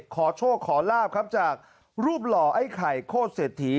ขอโชคขอลาบครับจากรูปหล่อไอ้ไข่โคตรเศรษฐี